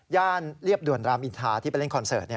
เรียบด่วนรามอินทาที่ไปเล่นคอนเสิร์ต